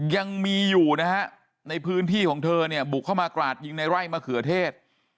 ยังมีอยู่นะฮะในพื้นที่ของเธอเนี่ยบุกเข้ามากราดยิงในไร่มะเขือเทศ